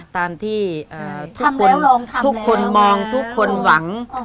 ตามที่ทุกคนมองทุกคนหวัง